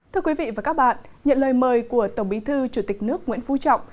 thưa quý vị và các bạn nhận lời mời của tổng bí thư chủ tịch nước nguyễn phú trọng